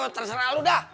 terserah lu dah